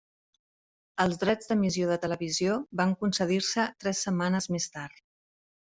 Els drets d’emissió de televisió van concedir-se tres setmanes més tard.